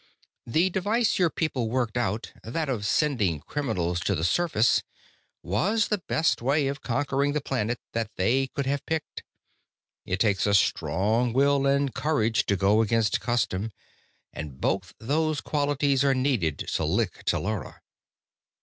"The device your people worked out, that of sending criminals to the surface, was the best way of conquering the planet that they could have picked. It takes a strong will and courage to go against custom, and both those qualities are needed to lick Tellura.